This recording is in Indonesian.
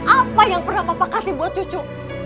apa yang pernah bapak kasih buat cucu